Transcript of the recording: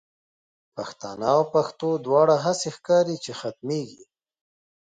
پښتانه او پښتو دواړه، هسی ښکاری چی ختمیږی